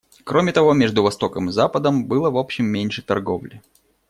Кроме того, между Востоком и Западом было в общем меньше торговли.